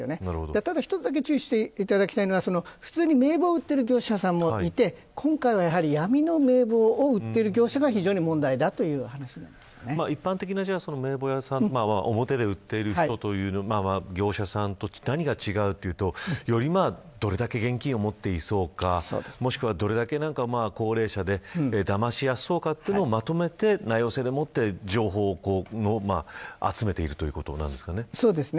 ただ１つだけ注意していただきたいのは普通に名簿売っている業者さんもいて今回は、闇の名簿を売っている業者が非常に問題だ一般的な名簿屋さんと何が違うかというとどれだけ現金を持っていそうかもしくは、どれだけ高齢者でだましやすそうかというのをまとめて名寄せでもって情報を集めていることなんですかね。